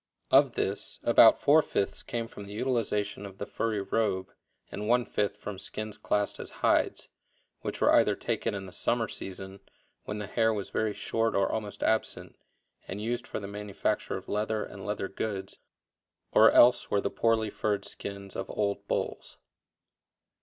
Of this, about four fifths came from the utilization of the furry robe and one fifth from skins classed as "hides," which were either taken in the summer season, when the hair was very short or almost absent, and used for the manufacture of leather and leather goods, or else were the poorly furred skins of old bulls.